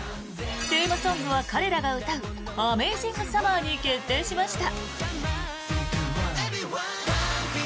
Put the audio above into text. テーマソングは、彼らが歌う「ＡｍａｚｉｎｇＳｕｍｍｅｒ」に決定しました。